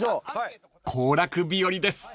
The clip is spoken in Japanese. ［行楽日和です］